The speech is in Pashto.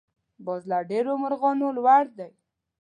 باز له ډېرو مرغانو لوړ دی